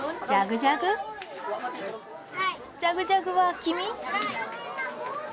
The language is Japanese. ジャグジャグは君？